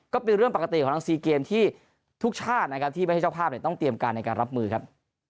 ก็เป็นเรื่องปกติของทั้ง๔เกมที่ทุกชาตินะครับที่ไม่ใช่เจ้าภาพต้องเตรียมการในการรับมือครับ